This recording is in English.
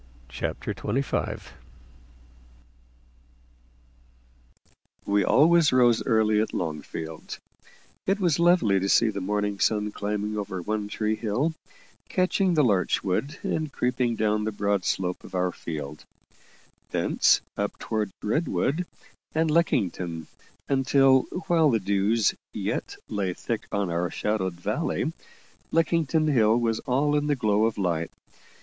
CHAPTER XXV We always rose early at Longfield. It was lovely to see the morning sun climbing over One Tree Hill, catching the larch wood, and creeping down the broad slope of our field; thence up toward Redwood and Leckington until, while the dews yet lay thick on our shadowed valley, Leckington Hill was all in a glow of light.